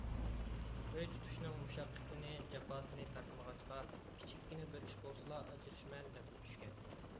ئۆي تۇتۇشنىڭ مۇشەققىتىنى، جاپاسىنى تارتمىغاچقا، كىچىككىنە بىر ئىش بولسىلا «ئاجرىشىمەن» دەپلا چۈشكەن.